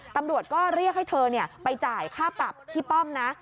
ตำรวจก็เรียกให้เธอไปจ่ายค่าปรับพี่ป้อมนะ